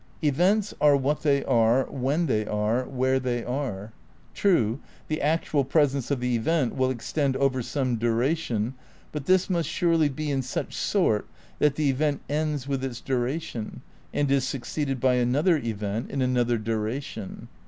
"Events are what they are, when they are, where they are." True, the actual presence of the event wiU extend over some duration; but this must surely be in such sort that the event ends with its duration and is succeeded by another event in another duration.